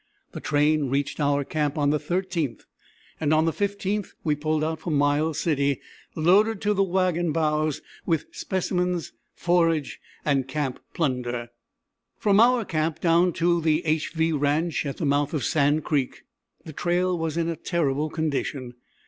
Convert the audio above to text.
The train reached our camp on the 13th, and on the 15th we pulled out for Miles City, loaded to the wagon bows with specimens, forage, and camp plunder. From our camp down to the =HV= ranch, at the mouth of Sand Creek, the trail was in a terrible condition.